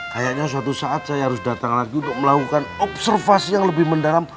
kayaknya suatu saat saya harus datang lagi untuk melakukan observasi yang lebih mendalam